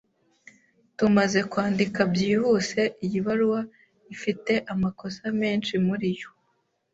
Tumaze kwandikwa byihuse, iyi baruwa ifite amakosa menshi muri yo.